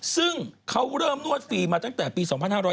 ซึ่งเขาเริ่มนวดฟรีมาตั้งแต่ปี๒๕๕๙